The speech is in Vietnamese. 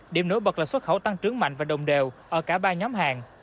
điểm nổi bật là xuất khẩu tăng trướng mạnh và đồng đều ở cả ba nhóm hàng